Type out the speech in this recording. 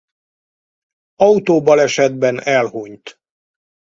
Autóbalesetben elhunyt.